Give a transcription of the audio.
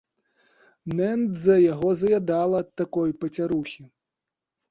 Нэндза яго заядала ад такой пацярухі.